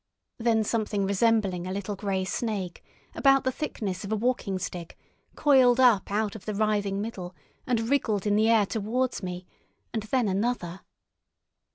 Then something resembling a little grey snake, about the thickness of a walking stick, coiled up out of the writhing middle, and wriggled in the air towards me—and then another.